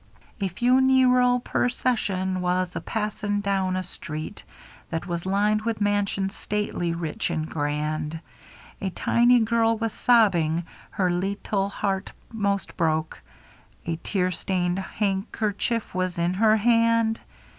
A fu nee ral per cession was a passin* down a street That was lin'd with mansions stately, rich, and grand ; A tiny girl was sobbin*, her lit tull heart most broke, A tear stained hank er chuff v/as in her hand.